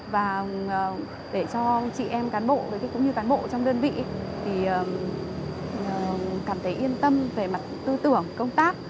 và để cho chị em cán bộ cũng như cán bộ trong đơn vị thì cảm thấy yên tâm về mặt tư tưởng công tác